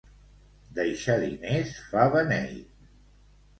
Deixar diners fa beneit.